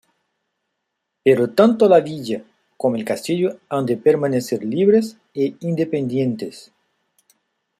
Pero tanto la villa como el castillo han de permanecer libres e independientes.